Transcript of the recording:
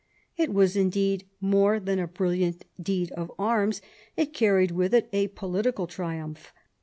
It was indeed more than a brilliant deed of arms, it carried with it a political triumph.